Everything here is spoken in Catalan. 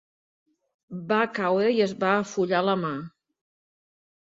Va caure i es va afollar la mà.